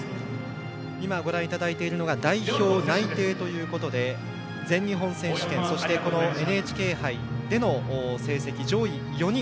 ご覧いただいているのが代表内定ということで全日本選手権、そしてこのＮＨＫ杯での成績上位４人。